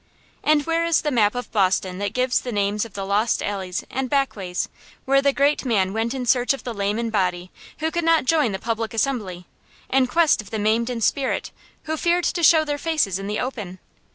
And where is the map of Boston that gives the names of the lost alleys and back ways where the great man went in search of the lame in body, who could not join the public assembly, in quest of the maimed in spirit, who feared to show their faces in the open?